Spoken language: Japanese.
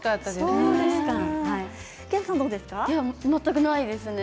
私は全くないですね